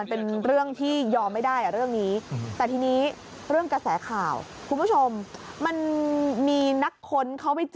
เดี๋ยวอาจจะต้องคุยกับพระบอบอีกทีนะครับ